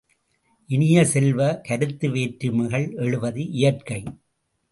இனிய செல்வ, கருத்து வேற்றுமைகள் எழுவது இயற்கை.